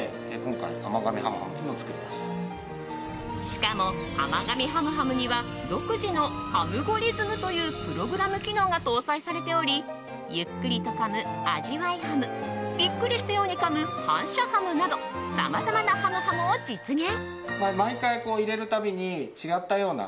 しかも、甘噛みハムハムには独自のハムゴリズムというプログラム機能が搭載されておりゆっくりとかむ味わいハムビックリしたようにかむ反射ハムなどさまざまなハムハムを実現。